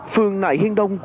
phương nại hinh đông quận sơn